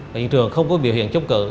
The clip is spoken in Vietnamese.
hiện trường không có biểu hiện chống cử